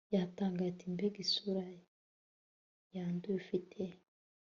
yatangaye ati mbega isura yanduye ufite